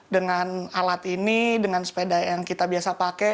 dengan alat ini dengan sepeda yang kita biasa pakai